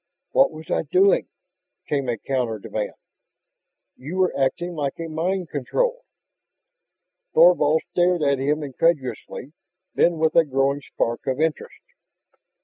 "What was I doing?" came a counter demand. "You were acting like a mind controlled." Thorvald stared at him incredulously, then with a growing spark of interest.